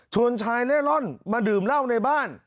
ชายเล่ร่อนมาดื่มเหล้าในบ้าน